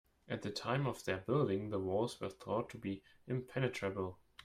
At the time of their building, the walls were thought to be impenetrable.